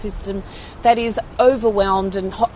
yang terlalu terlalu terganggu